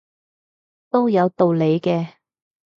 都有道理嘅